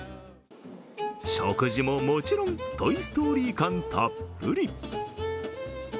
食事ももちろん「トイ・ストーリー」感たっぷり。